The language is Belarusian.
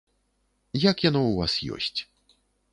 Як яно ў вас ёсць.